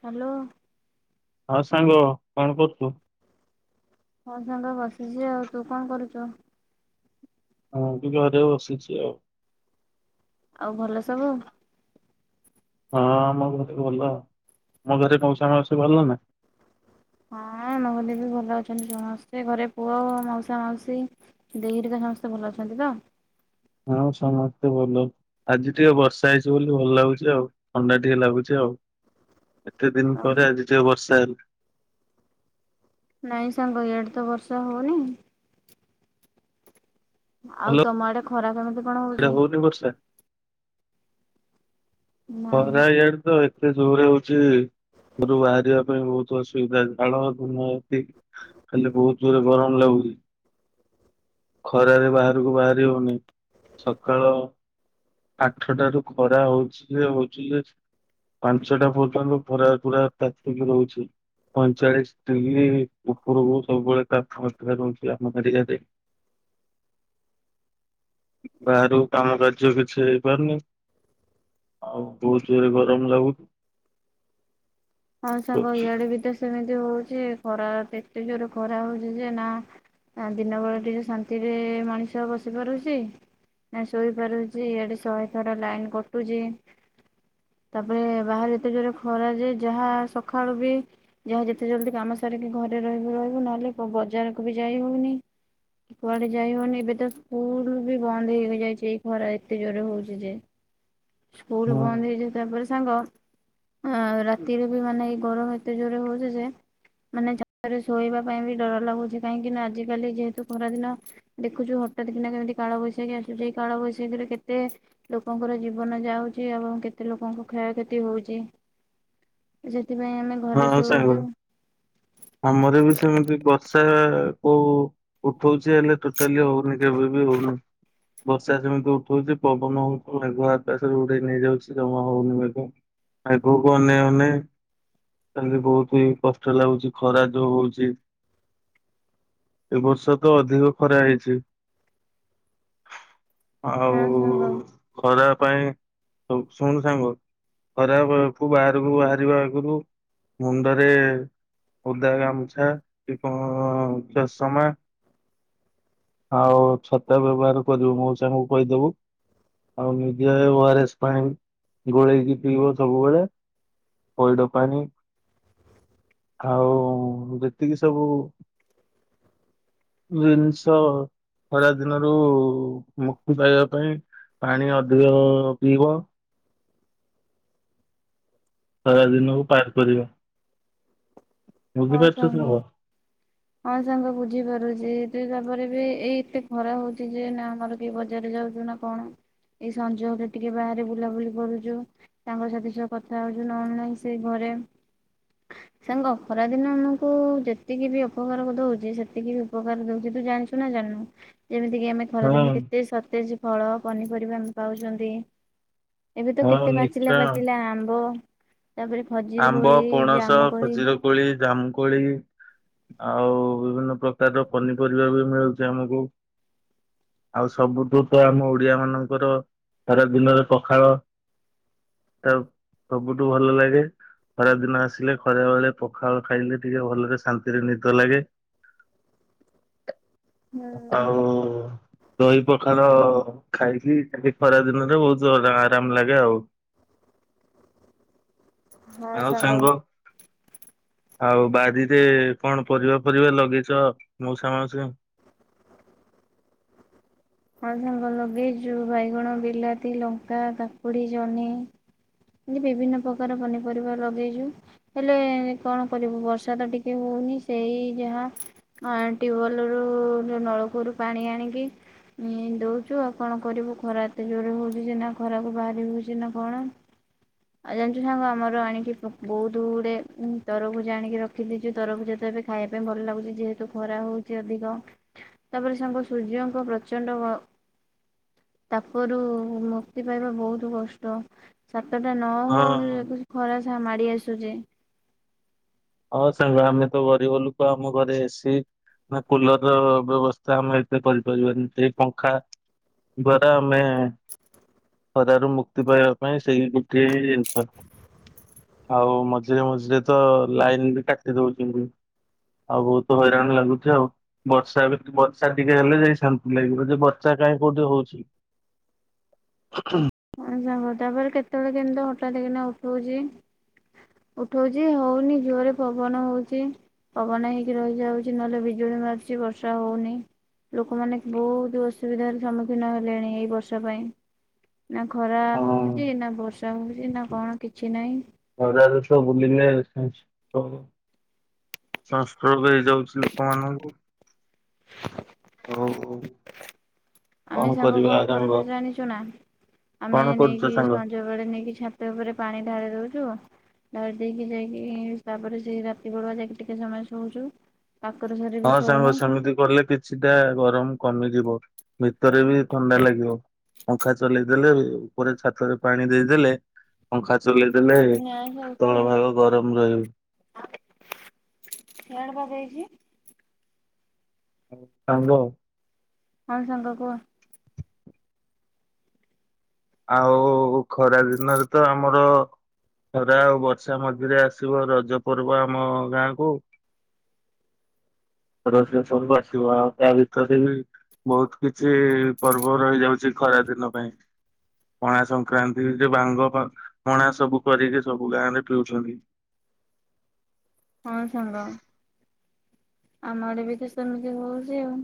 Hello. ହଁ ସାଙ୍ଗ କଣ କରୁଛୁ? ହଁ ସାଙ୍ଗ ବସିଛି ଆଉ ତୁ କଣ କରୁଛୁ? ହଁ [unintelligible] ବସିଛି ଆଉ। ଆଉ ଭଲ ସବୁ? ହଁ ମୋ ଘରେ ଭଲ ମୋ ଘରେ ମଉସା ମାଉସୀ ଭଲ ନା? ହଁ ନହଲେ ବି ଭଲ ଅଛନ୍ତି ସମସ୍ତେ ଘରେ ପୁଅ ମାଉସା ମାଉସୀ ଦେଇ ହେରିିକା ସମସ୍ତେ ଭଲ ଅଛନ୍ତି ତ? ହଁ ସମସ୍ତେ ଭଲ। ଆଜି ଟିକେ ବର୍ଷା ହେଇଛି ବୋଲି ଭଲ ଲାଗୁଛି ଆଉ ଥଣ୍ଡା ଟିକେ ଲାଗୁଛି ଆଉ। ଏତେ ଦିନ ପରେ ଆଜି ଟିକେ ବର୍ଷା ହେଲା। ନାଇଁ ସାଙ୍ଗ ଇଆଡେ ତ ବର୍ଷା ହଉନି। ଆଉ ତମ ଆଡେ ଖରା ପାଗ କେମ ସେଇଟା ହଉନି ବର୍ଷା। [unintelligible] ନାଇଁ। ଇଆଡ଼େ ତ ହେ ଏତେ ଜୋରରେ ହଉଛି ଘରୁ ବାହାରିବା ପାଇଁ ବହୁତ ଅସୁବିଧା ଜାଳ [unintelligible] ଖାଲି ବହୁତ ଜୋରରେ ଗରମ ଲାଗୁଛି। ଖରାରେ ବାହାରକୁ ବାହାରି ହଉନି ସକାଳ ଆଠ ଟାରୁ ଖରା ହଉଛି ଯେ ହଉଛି ଯେ ପାଞ୍ଚଟା ପର୍ଯ୍ୟନ୍ତ ପରା ପୁରା ତାତିକି ରହୁଛି। ପଇଁଚାଳିଶ ଡିଗ୍ରୀ ଉପରକୁ ସବୁବେଳେ ତାପ ଅ ରହୁଛି ଆମ ଗାଡିଆରେ। ବାହାରୁ କାମ କରିଛ କି? ସେ ହେଇପାରୁନି ଆଉ ବହୁତ ଜୋରରେ ଗରମ ଲାଗୁଛି। ହଁ ସାଙ୍ଗ ଇଆଡେ ବି ତ ସେମିତି ହଉଛି ଖରା ଏତେ ଜୋର ଖରା ହଉଛି ଯେ ନା ନା ଦିନ ବେଳେ ଟିକେ ଶାନ୍ତିରେ ମଣିଷ ବସି ପାରୁଛି। ନା ଶୋଇପାରୁଛି ଏଆଡେ ଶହେ ଥର ଲାଇନ କଟୁଛି। ତାପରେ ବାହାରେ ଏତେ ଜୋର ଖରା ଯେ ଯାହା ସଖାଳୁ ବି ଯାହା ଯେତେ ଜଲ୍ଦି କାମ ସାରିକି ଘରେ ରହିବୁ ରହିବୁ ନହେଲେ ବଜାରକୁ ବି ଯାଇ ହଉନି। କୁଆଡେ ଯାଇ ହଉନି ଏବେ ତ ସ୍କୁଲ ବି ବନ୍ଦ ହେଇକି ଯାଇଛି ଏଇ ଖରା ଏତେ ଜୋରରେ ହଉଛି ଯେ। [inaudible] ସ୍କୁଲ ହଁ ବନ୍ଦ ହେଇଯୋଉ ତାପରେ ସାଙ୍ଗ ଆଁ ରା ଦି ହେବି ମାନେ ଏଇ ଗରମ ଏତେ ଜୋରେ ହଉଛ ଯେ ମାନେ ଛାତ ରେ ଶୋଇବା ପାଇଁ ବି ଡର ଲାଗୁଛି କାହିଁକି ନା ଆଜିକାଲି ଯେହେତୁ ଖରାଦିନ ଦେଖୁଛୁ ହଠାତ କିନା କେମିତି କାଳବୈଶାଖୀ ଆସୁଛି ଏଇ କାଳବୈଶାଖୀରେ କେତେ ଲୋକଙ୍କର ଜୀବନ ଯାଉଛି ଏବଂ କେତେ ଲୋକଙ୍କ କ୍ଷୟକ୍ଷତି ହଉଛି ସେଥିପାଇଁ ଆମେ ହଁ ଘରେ ସାଙ୍ଗ ଶୋଉଛୁ ଆମର ବି ସେମିତି ବର୍ଷା କୋଉ ଉଠଉଛି ହେଲେ ଟୋଟାଲି ହଉନି କେବେ ବି ହଉନି। ବର୍ଷା ଯେମିତି ଉଠଉଛି ପବନଙ୍କୁ ମେଘ ଆକାସରେ ଉଡେଇ ନେଇଯାଉଛି ଜମା ହଉନି ମେଘ। ଆଗୁକୁ ଅନେଇ ଅନେଇ କାଲି ବହୁତ ହି କଷ୍ଟ ଲାଗୁଛି ଖରା ଯୋଉ ହଉଛି। ଏ ବର୍ଷ ତ ଅଧିକ ଖରା ହେଇଛି। ଆଉ ହଁ ସାଙ୍ଗ ଖରା ପାଇଁ ସବୁ ଶୁଣୁ ସାଙ୍ଗ? ଖରାରୁ ବାହାରକୁ ବାହାରିବା ଆଗରୁ। ମୁଣ୍ଡରେ ଓଦା ଗାମୁଛା କି କ ଚଷମା ଆଉ ଛତା ବ୍ୟବହାର କରିବୁ ମଉସା କୁ କହିଦେବୁ। ଆଉ ନିଜେ ଓ ଆର ଏସ୍ ପାଇଁ ଗୋଳେଇକି ପିଇବ ସବୁବେଳେ। ପଇଡ ପାଣି। ଆଉ ଯେତିକି ସବୁ ଜିନ୍ସ୍ ତ ଖରା ଦିନରୁ ମୁକ୍ତି ପାଇବା ପାଇଁ ପାଣି ଅଧିକ ପିଇବ ଖରା ଦିନକୁ ପାର୍ କରିବା ହଁ ବୁଝିପାରୁଚ ସ ସାଙ୍ଗ ହଁ ସାଙ୍ଗ ବୁଝିପାରୁଚି ଏତେ ତାପରେ ବି ଏଇ ଏତେ ଖରା ହଉଚି ଯେ ନା ଆମର କି ବଜାରରେ ଯାଉଚୁ ନା କଣ ଏଇ ସଞ୍ଜ ହେଲେ ଟିକେ ବାହାରେ ବୁଲାବୁଲି କରୁଚୁ। ସାଙ୍ଗସାଥି ସହ କଥା ହଉଚୁ ନହେଲେ ନାହିଁ ସେ ଘରେ ସାଙ୍ଗ ଖରା ଦିନ ଆମକୁ ଯେତିକି ବି ଅପକାର ଦଉଚି ସେତିକି ବି ଉପକାର ଦଉଚି ତୁ ଜାଣିଚୁ ନା ଜାଣିନୁ ଯେମିତି କିି ଆମେ ହଁ ଖରାଦିନେ କେତେ ସତେଜ୍ ଫଳ ପନିପରିବା ଆମେ ପାଉଚନ୍ତି। ଏବେ ତ ହଁ କେତେ ପାଚିଲା ନିଶ୍ଚୟ ପାଚିଲା ଆମ୍ବ ତାପରେ ଖଜିର୍ ଆମ୍ବ, କୋଳି ପଣସ, ଜାମୁ କୋଳି ଖଜିର କୋଳି, ଜାମୁକୋଳି ଆଉ ବିଭିନ୍ନ ପ୍ରକାରର ପନିପରିବା ବି ମିଳୁଚି ଆମକୁ। ଆଉ ସବୁଠୁ ତ ଆମ ଓଡିଆ ମାନଙ୍କର ଖରା ଦିନରେ ପଖାଳ ତ ସବୁଠୁ ଭଲ ଲାଗେ। ଖରା ଦିନ ଆସିଲେ ଖରା ବେଳେ ପଖାଳ ଖାଇଲେ ଟିକେ ଭଲରେ ଶାନ୍ତିରେ ନିଦ ଲାଗେ। ହୁଁ ଆଉ ଦହି ପଖାଳ ଖାଇକି ଖାଲି ଖରା ଦିନରେ ବହୁତୁ ଆରାମ୍ ଲାଗେ ଆଉ। ଆଉ ସାଙ୍ଗ ଆଉ ବାରିରେ କଣ ପରିବା ଫରିବା ଲଗେଇଚ ମଉସା ମାଉସୀଙ୍କ ହଁ ସାଙ୍ଗ ଲଗେଇଚୁ ବାଇଗଣ, ବିଲାତି, ଲଙ୍କା, କାକୁଡ଼ି, ଜହ୍ନି ଏମିତି ବିଭିନ୍ନ ପ୍ରକାର ପନିପରିବା ଲଗେଇଚୁ। ହେଲେ କଣ କରିବୁ ବର୍ଷା ତ ଟିକେ ହଉନି ସେଇ ଯାହା ଆଁ -ଟ୍ୟୁବଲ ରୁ ନଳକୂଅରୁ ପାଣି ଆଣିକି ଣି ଦଉଚୁ ଆଉ କଣ କରିବୁ ଖରା ଏତେ ଜୋର୍ ରେ ହଉଚି ଯେ ନା ଖରାକୁ ବାହାରି ହଉଚି ନା କଣ। ଆଉ ଜାଣିଚୁ ସାଙ୍ଗ ଆମର ଆଣିକି ବ-ବହୁତୁ ଗୁଡେ ତରଭୁଜ ଆଣିକି ରଖିଦେଇଚୁ ତରଭୁଜ ତ ଏବେ ଖାଇବା ପାଇଁ ଭଲ ଲାଗୁଚି ଯେହେତୁ ଖରା ହଉଚି ଅଧିକ। ତାପରେ ସାଙ୍ଗ ସୂର୍ଯ୍ୟଙ୍କ ପ୍ରଚଣ୍ଡ ଗ ତାପରୁ ମୁକ୍ତି ପାଇବା ବହୁତୁ କଷ୍ଟ। ସାତ ଟା ନ ହଁ ହଉଣୁ ଖରା ସା ମାଡି ଆସୁଚି। ହଁ ସାଙ୍ଗ ଆମେ ତ ଗରିବ ଲୁକ ଆମ ଘରେ ଏସି ନା କୁଲର୍ ର ବ୍ୟବସ୍ଥା ଆମେ ଏତେ କରିପାରିବାନି ସେଇ ପଙ୍ଖା ଦ୍ୱାରା ଆମେ ଖରାରୁ ମୁକ୍ତି ପାଇବା ପାଇଁ ସେଇ ଗୋଟିଏ ହିଁ ଉପାୟ। ଆଉ ମଝିରେ ମଝିରେ ତ ଲାଇନ୍ ବି କାଟି ଦଉଚନ୍ତି। ଆଉ ବହୁତୁ ହଇରାଣ ଲାଗୁଚି ଆଉ। ବର୍ଷା ଏବେ ବର୍ଷା ଟିକେ ହେଲେ ଯାଇ ଶାନ୍ତି ଲାଗିବ ଯେ ବର୍ଷା କାଇଁ କୋଉଠି ହଉଚି। [inaudible] ହଁ ସାଙ୍ଗ ତାପରେ କେତେବେଳେ କେନ୍ତି ତ ହଠାତ୍ କିନା ଉଠଉଚି ଉଠଉଚି ହଉନି ଜୋର୍ ରେ ପବନ ହଉଚି। ପବନ ହେଇକି ରହିଯାଉଚି ନହେଲେ ବିଜୁଳି ମାରୁଚି ବର୍ଷା ହଉନି। ଲୋକମାନେ ବହୁତ୍ ଅସୁବିଧାର ସମ୍ମୁଖୀନ ହେଲେଣି ଏଇ ବର୍ଷ ପାଇଁ। ନା ଖରା ହଁ ହଉଚି ନା ବର୍ଷା ହଉଚି ନା କଣ କିଛି ନାହିଁ। ଖରା ରେ ତ ବୁଲିଲେ ସଂଷ୍ଟ୍ରୋକ୍ ହ ସଂଷ୍ଟ୍ରୋକ୍ ହେଇଯାଉଚି ଲୋକମାନଙ୍କୁ। ଓ‌ ହଉ। ଆମେ ସାଙ୍ଗ କରିବା କଣ ସାଙ୍ଗ କରୁଚୁ ଜାଣିଚୁ ନା ଆମେ କଣ କରୁଛ ନେଇକି ସଂଜ ସାଙ୍ଗ? ସଞ୍ଜ ବେଳେ ନେଇକି ଛାତ ଉପରେ ପାଣି ଢାଳି ଦଉଚୁ ଢାଳି ଦେଇକି ଯାଇକି ତାପରେ ସେ ରାତି ବଳୁଆ ଯାଇକି ଟିକେ ସମୟ ଶୋଉଚୁ କାକରେ ସରି ହଁ ସାଙ୍ଗ ସେମିତି କଲେ କି ସିଧା ଗରମ କମିଯିବ ଭିତରେ ବି ଥଣ୍ଡା ଲାଗିବ। ପଙ୍ଖା ଚଲେଇ ଦେଲେ ଉପରେ ଛାତରେ ପାଣି ଦେଇଦେଲେ ପଙ୍ଖା ଚଲେଇ ଦେଲେ ତଳ ଭାଗ ଗରମ ରହିବ। ହିଆଡେ କଣ ଦେଇଚି? ସାଙ୍ଗ। ହଁ ସାଙ୍ଗ କୁହ। ଆଉ ଖରା ଦିନରେ ତ ଆମର ଖରା ଆଉ ବର୍ଷା ମଝିରେ ଆସିବ ରଜ ପର୍ବ ଆମ ଗାଁକୁୁ। ରଜ ପର୍ବ ଆସିବ ଆଉ ତା ଭିତରେ ବି ବହୁତ କିଛି ପର୍ବ ରହି ଯାଉଚି ଖରା ଦିନ ପାଇଁ। ପଣା ସଂକ୍ରାନ୍ତି ଯଉ ଭାଙ୍ଗ ଫା ପଣା ସବୁ କରିକି ସବୁ ଗାଁରେ ପିଉଛନ୍ତି। ହଁ ସାଙ୍ଗ। ଆମ ଆଡେ ବି ତ ସେମିତି ହଉଚି ଆଉ।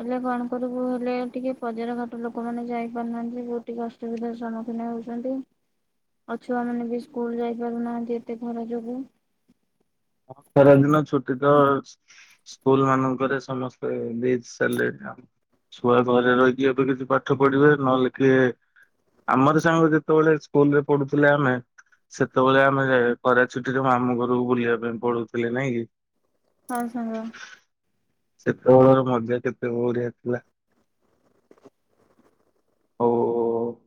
ହେଲେ କଣ କରିବୁ ହେଲେ ଟିକେ ବଜାର ଘାଟ ଲୋକମାନେ ଯାଇ ପାରୁନାହାନ୍ତି ବହୁ ଟିକେ ଅସୁବିଧାର ସମ୍ମୁଖୀନ ହଉଛନ୍ତି। ଆଉ ଛୁଆମାନେ ବି ସ୍କୁଲ ଯାଇ ପାରୁନାହାନ୍ତି ଏତେ ଖରା ଯୋଗୁଁ। ଖରା ଦିନ ଛୁଟି ତ ଅଛି। ସ୍କୁଲ ମାନଙ୍କରେ ସମସ୍ତେ ଦେଇଚ ସାରଲେଣି ଆଉ। ଛୁଆ ଘରେ ରହିକି ଏବେ କିଛି ପାଠ ପଢିବେ ନହେଲେ କିଏ ଆମର ସାଙ୍ଗ ଯେତେବେଳେ ସ୍କୁଲ ରେ ପଢୁଥିଲେ ଆମେ ସେତେବେଳେ ଆମେ ଖରା ଛୁଟିରେ ମାମୁଁ ଘରକୁ ବୁଲିବା ପାଇଁ ପଳଉଥିଲେ ନାଁ କି? ହଁ ସାଙ୍ଗ। ସେତ ବେଳର ମଜା କେତେ ବଢ଼ିଆ ଥିଲା। [unintelligible]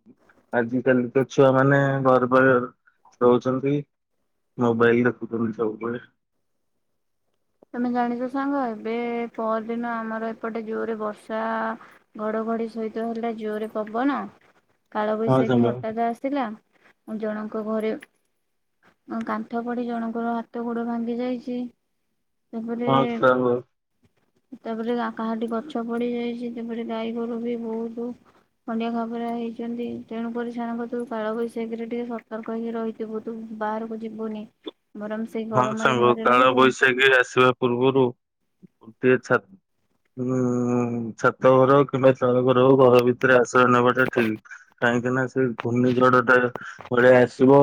ଆଜି କାଲି କା ଛୁଆ ମାନେ ଘର ପାଖରେ ରହୁଚନ୍ତି। ମୋବାଇଲ ଦେଖୁଚନ୍ତି ସବୁବେଳେ। ତମେ ଜାଣିଚ ସାଙ୍ଗ ଏବେ ପଅରଦିନ ଆମର ଏପଟେ ଯୋରରେ ବର୍ଷା ଘଡଘଡି ସହିତ ହେଲା ଜୋରରେ ପବନ। ହଁ କାଳବୈଶାଖୀ ସାଙ୍ଗ। ହଠାତ୍ ଆସିଲା। ଉ ଜଣଙ୍କ ଘରେ କାନ୍ଥ ପଡ଼ି ଜଣଙ୍କର ହାତ ଗୋଡ଼ ଭାଙ୍ଗି ଯାଇଚି। ତାପରେ ହଁ ସାଙ୍ଗ ତାପରେ କାହାଠି ଗଛ ପଡି ଯାଇଚି ତାପରେ ଗାଈ ଗୋରୁ ବି ବହୁତ ଖଣ୍ଡିଆ ଖାବରା ହେଇଚନ୍ତି। ତେଣୁକରି ସେମାନଙ୍କ କତି ରୁ କାଳବୈଶାଖୀରେ ଟିକେ ସତର୍କ ହେଇି ରହି ଥିବୁ ତୁ ବାହାରକୁ ଯିବୁନି ବରଂ ସେଇ ହଁ ଗରମରେ ସାଙ୍ଗ ଘରେ କାଳ ରହିବୁ ବୈଶାଖୀ ଆସିବା ପୂର୍ବରୁ ଗୋଟିଏ ଛା ଉଁ ଛାତ ଘର କିମ୍ବା ଚାଳ ଘର ହଉ ଘର ଭିତରେ ଆଶ୍ରୟ ନେବାଟା ଠିକ। କାହିଁକି ନା ସେ ଘୂର୍ଣ୍ଣିଝଡ ଟା ଭଳିଆ ଆସିବ।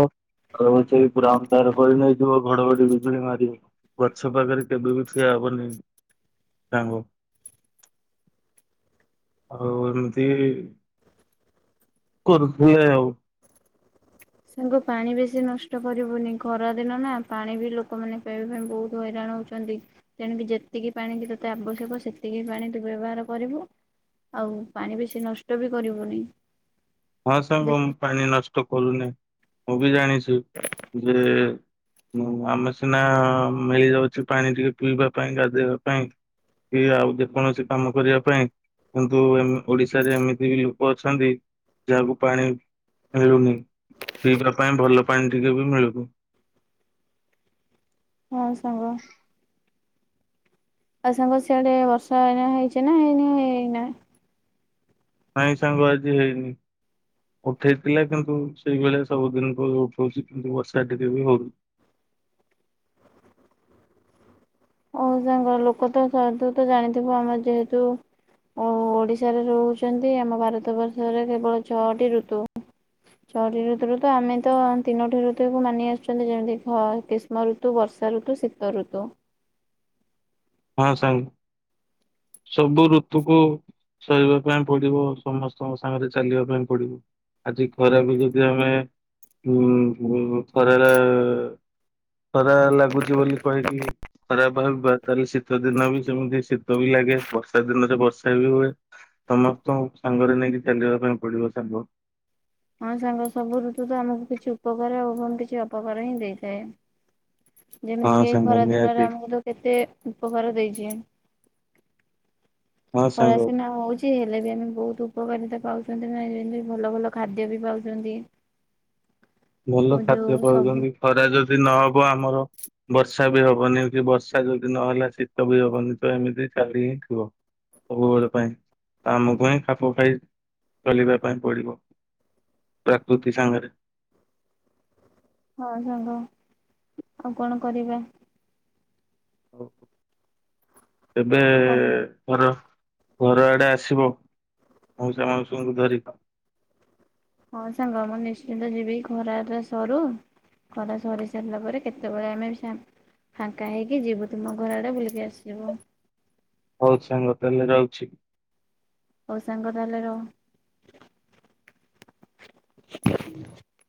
ରହୁଚିପୁରା ଅନ୍ଧାର କରିନେଇ ଯ ଘଡଘଡି ବିଜୁଳି ମାରିବ ଗଛ ପାଖରେ କେବେ ବି ଠିଆ ହବନେଇଁ। ସାଙ୍ଗ ଆଉ ଏମିତି କରୁଥିଲେ ଆଉ। ସାଙ୍ଗ ପାଣି ବେଶୀ ନଷ୍ଟ କରିବୁନି ଖରା ଦିନ ନା ପାଣି ବି ଲୋକମାନେ ପାଇବା ପାଇଁ ବହୁତ ହଇରାଣ ହ ଚନ୍ତି। ତେଣୁ କି ଯେତିକି ପାଣି କି ତତେ ଆବଶ୍ୟକ ସେତିକି ପାଣି ତୁ ବ୍ୟବହାର କରିବୁ ଆଉ ପାଣି ବେଶୀ ନଷ୍ଟ ବି କରିବୁନି। ହଁ ସାଙ୍ଗ ମୁଁ ଦେଖ ପାଣି ନଷ୍ଟ କରୁନେଇଁ। ମୁଁ ବି ଜାଣିଚି ଯେ ହୁଁ ଆମେ ସିନା ମିଳିଯାଊଛି ପାଣି ଟିକେ ପିଇବା ପାଇଁ ଗାଧେଇବା ପାଇଁ କି ଆଉ ଯେକୌଣସି କାମ କରିବା ପାଇଁ କିନ୍ତୁ ଏମ୍ ଓଡିଶାରେ ଏମିତି ବି ଲୋକ ଅଛନ୍ତି ଯାହାକୁ ପାଣି ମିଳୁନି ପିଇବା ପାଇଁ ଭଲ ପାଣି ଟିକେ ବି ମିଳୁନି। ହଁ ସାଙ୍ଗ। ଆଉ ସାଙ୍ଗ ସିଆଡେ ବର୍ଷା ଏଇନା ହେଇଚି ନା ହେଇନେଇ ଏଇନା? ନାଇଁ ସାଙ୍ଗ ଆଜି ହେଇନି। ଉଠେଇଥିଲା କିନ୍ତୁ ସେଇଭଳିଆ ସବୁଦିନ ଉଠଉଛି କିନ୍ତୁ ବର୍ଷା ଟିକେ ବି ହଉନି। ହଉ ସାଙ୍ଗ ଲୋକ ତ ସୁ ତ ଜାଣିଥିବ ଆମର ଯେହେତୁ ଓ ଓଡ଼ିଶାରେ ରହୁଛନ୍ତି ଆମ ଭାରତବର୍ଷରେ କେବଳ ଛଅଟି ଋତୁ। ଛଅଟି ଋତୁ ରୁ ତ ଆମେ ତ ତିନୋଟି ଋତୁକୁ ମାନି ଆସୁଛନ୍ତି ଯେମିତି କି ଖ କିସ ମ ଋତୁ ବର୍ଷା ଋତୁ ଶୀତ ଋତୁ। ହଁ ସାଙ୍ଗ ସବୁ ଋତୁକୁ ସହିବା ପାଇଁ ପଡିବ ସମସ୍ତଙ୍କ ସାଙ୍ଗରେ ଚାଲିବା ପାଇଁ ପଡିବ। ଆଜି ଖରା ବି ଯଦି ଆମେ ଉ ଖରାରେ ଖରା ଲାଗୁଚି ବୋଲି କହିକି ଖରାପ ଭାବିବା ତାହେଲେ ଶୀତ ଦିନ ବି ସେମିତି ଶୀତ ବି ଲାଗେ ବର୍ଷା ଦିନରେ ବର୍ଷା ବି ହୁଏ ସମସ୍ତଙ୍କୁ ସାଙ୍ଗରେ ନେଇକି ଚାଲିବା ପାଇଁ ପଡିବ ସାଙ୍ଗ। ହଁ ସାଙ୍ଗ ସବୁ ଋତୁ ତ ଆମକୁ କିଛି ଉପକାର ଆଉ ଏବଂ କିଛି ଅ ଉପକାର ହିଁ ଦେଇଥାଏ। ଯେମିତି ହଁ କି ଏଇ ସାଙ୍ଗ ଖରା ଦିନରେ ନିହାତି ଆମକୁ ତ କେତେ ଉପକାର ଦେଇଚି ହଁ ଖରା ସାଙ୍ଗ। ସିନା ହଉଚି କି ହେଲେ ବି ଆମେ ବହୁତ ଉପକାରିତା ପାଉଛନ୍ତି ନା ଯେମିତି ଭଲ ଭଲ ଖାଦ୍ୟ ବି ପାଉଛନ୍ତି। ଓ ଭଲ ଯୋଉ ଖାଦ୍ୟ ସବୁ ପାଉଛନ୍ତି ଖରା ଯଦି ନହବ ଆମର ବର୍ଷା ବି ହବନି କି ବର୍ଷା ଯଦି ନହେଲା ଶୀତ ବି ହବନି ତ ଏମିତି ଚାଲି ହିଁ ଥିବ। ପଳ ପାଇଁ ତାମକୁ ହିଁ ଖାଫଖାଇ ଚାଲିବା ପାଇଁ ପଡିବ। ପ୍ରାକୃତି ସାଙ୍ଗରେ। ହଁ ସାଙ୍ଗ ଆଉ କଣ କରିବା। ହଉ ଏବେ ହଉ ଘର ଘର ଆଡେ ଆସିବ ମାଉସା ମାଉସଙ୍କୁ ଧରିକି। ହଁ ସାଙ୍ଗ ମୁଁ ନିଶ୍ଚିନ୍ତ ଯିବି ଖରାଟା ସରୁ। ଖରା ସରି ସାରିଲା ପରେ କେତେବେଳେ ଆମେ ବି ଫାଙ୍କା ହେଇକି ଯିବୁ ତୁମ ଘରଆଡ଼େ ବୁଲିକି ଆସିବୁ। ହଉ ସାଙ୍ଗ ତାହେଲେ ରହୁଛି। ହଉ ସାଙ୍ଗ ତାହାଲେ ରହୁଚି। [inaudible]